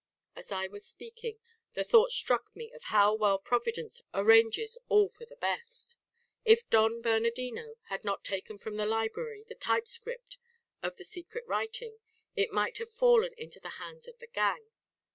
As I was speaking, the thought struck me of how well Providence arranges all for the best. If Don Bernardino had not taken from the library the typescript of the secret writing, it might have fallen into the hands of the gang.